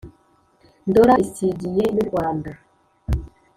ndora isigiye n’u rwanda